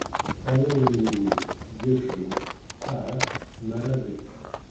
Arraw n Lewwi: Gircun, Qahat, Marari.